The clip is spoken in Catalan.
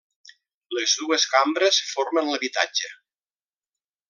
Les dues cambres formen l'habitatge.